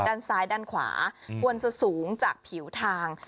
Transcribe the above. ด้านซ้ายด้านขวาควรจะสูงจากผิวทาง